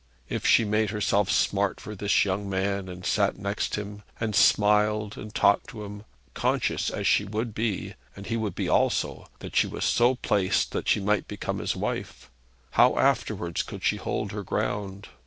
If she made herself smart for this young man, and sat next him, and smiled, and talked to him, conscious as she would be and he would be also that she was so placed that she might become his wife, how afterwards could she hold her ground?